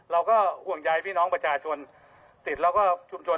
เราก็ห่วงใยพี่น้องประชาชน